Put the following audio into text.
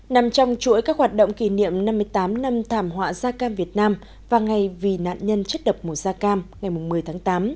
nằm trong chuỗi các hoạt động kỷ niệm năm mươi tám năm thảm họa da cam việt nam và ngày vì nạn nhân chất độc mùa da cam ngày một mươi tháng tám